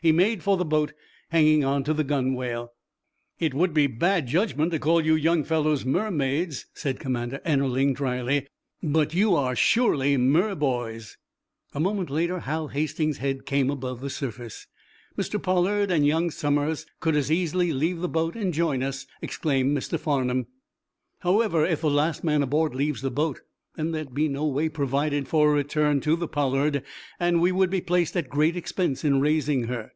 He made for the boat, hanging onto the gunwale. "It would be bad judgment to call you young fellows mermaids," said Commander Ennerling, dryly, "but you are surely merboys." A moment later Hal Hastings's head came above the surface. "Mr. Pollard and young Somers could as easily leave the boat and join us," explained Mr. Farnum. "However, if the last man aboard leaves the boat then there is no way provided for a return to the 'Pollard,' and we would be placed at great expense in raising her.